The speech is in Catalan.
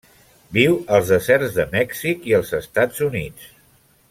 Viu als deserts de Mèxic i els Estats Units.